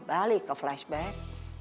balik ke flashback